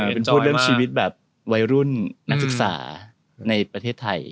เป็นพูดเรื่องชีวิตแบบวัยรุ่นนักศึกษาในประเทศไทย